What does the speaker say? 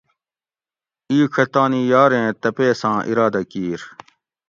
اِیڄہ تانی یاریں تپیساں ارادہ کِیر